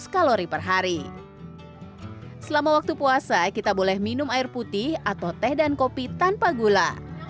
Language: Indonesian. kalori per hari selama waktu puasa kita boleh minum air putih atau teh dan kopi tanpa gula